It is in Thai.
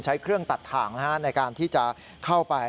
ใช้เครื่องตัดถ่างในการที่จะเข้าไป